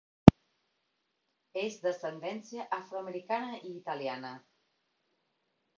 És d'ascendència afroamericana i italiana.